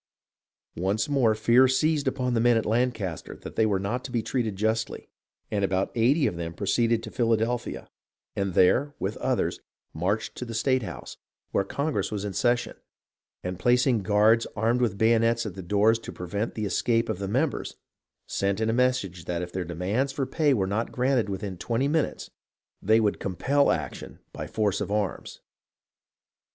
Once more fear seized upon the men at Lancaster that they were not to be treated justly, and about eighty of them proceeded to Philadelphia, and there, with others, marched to the State House, where Congress was in session, and placing guards armed with bayonets at the doors to prevent the escape of the members, sent in a message that if their demand for pay was not granted within twenty minutes they would compel action by force of arms.